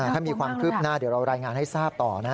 ถ้ามีความคืบหน้าเดี๋ยวเรารายงานให้ทราบต่อนะ